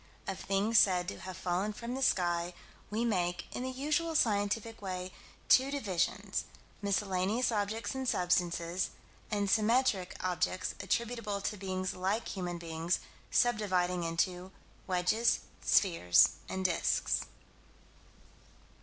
Of things said to have fallen from the sky, we make, in the usual scientific way, two divisions: miscellaneous objects and substances, and symmetric objects attributable to beings like human beings, sub dividing into wedges, spheres, and disks.